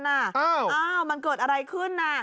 อ้าวมันเกิดอะไรขึ้นน่ะ